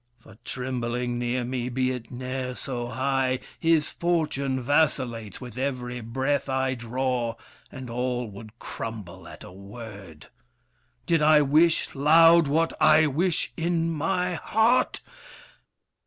For trembling near me, be it ne'er so high, His fortune vacillates with every breath I draw, and all would crumble at a word, Did I wish loud, what I wish in my heart!